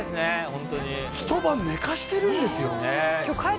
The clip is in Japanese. ホントに一晩寝かしてるんですよ？